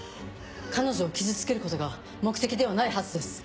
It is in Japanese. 彼女を傷つけることが目的ではないはずです。